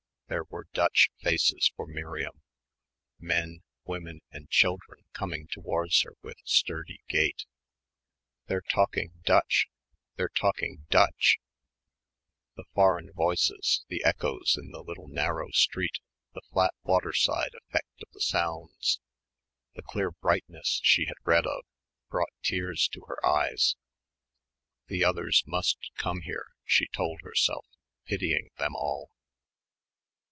There were Dutch faces for Miriam men, women and children coming towards her with sturdy gait. "They're talking Dutch! They're all talking Dutch!" The foreign voices, the echoes in the little narrow street, the flat waterside effect of the sounds, the bright clearness she had read of, brought tears to her eyes. "The others must come here," she told herself, pitying them all.